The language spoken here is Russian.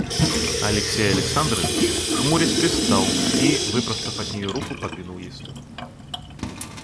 Алексей Александрович хмурясь привстал и, выпростав от нее руку, подвинул ей стул.